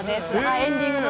エンディングの？